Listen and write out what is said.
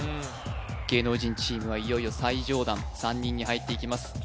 芸能人チームはいよいよ最上段３人に入っていきます